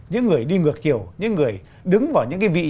những người đi ngược chiều